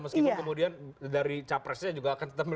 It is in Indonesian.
meskipun kemudian dari capresnya juga akan tetap